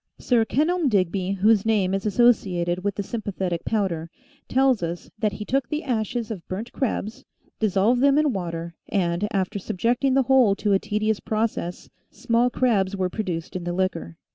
Sir Kenelm Digby, whose name is associated with the Sympathetic Powder, tells us that he took the ashes of burnt crabs, dissolved them in water and, after subjecting the whole to a tedious process, small crabs were produced in the liquor.